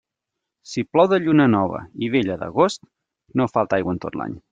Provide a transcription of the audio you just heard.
Si plou de lluna nova i vella d'agost, no falta aigua en tot l'any.